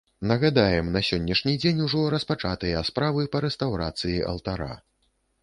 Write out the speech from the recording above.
Нагадаем, на сённяшні дзень ужо распачатыя справы па рэстаўрацыі алтара.